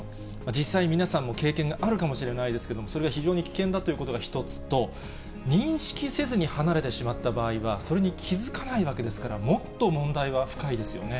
実際、皆さんも経験があるかもしれないですけども、それは非常に危険だということが一つと、認識せずに離れてしまった場合は、それに気づかないわけですから、もっと問題は深いですよね。